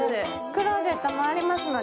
クローゼットもありますので。